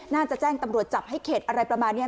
แจ้งตำรวจจับให้เข็ดอะไรประมาณนี้